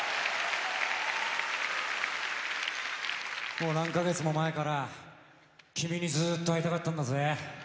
もう何か月も前から君にずっと会いたかったんだぜ。